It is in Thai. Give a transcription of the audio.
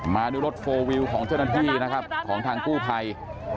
มาด้วยรถโฟลวิวของเจ้าหน้าที่นะครับของทางกู้ภัย